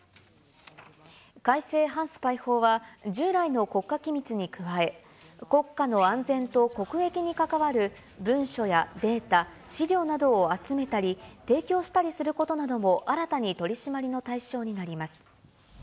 改正反スパイ法は、従来の国家機密に加え、国家の安全と国益に関わる文書やデータ、資料などを集めたり、提供したりすることなども、新たに取締りの対象になります。